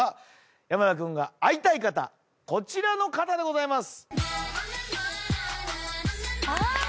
山田君が会いたい方こちらの方でございます。